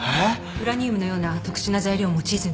ウラニウムのような特殊な材料を用いずに作れる。